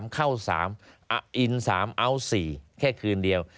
เข้า๓อิน๓เอาท์๔แค่คืนเดียว